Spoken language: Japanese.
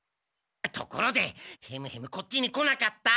ところでヘムヘムこっちに来なかった？